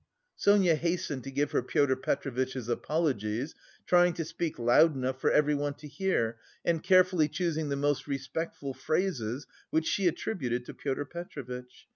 Sonia hastened to give her Pyotr Petrovitch's apologies, trying to speak loud enough for everyone to hear and carefully choosing the most respectful phrases which she attributed to Pyotr Petrovitch.